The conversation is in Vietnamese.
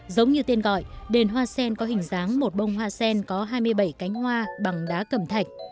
giống như tên gọi đền hoa sen có hình dáng một bông hoa sen có hai mươi bảy cánh hoa bằng đá cầm thạch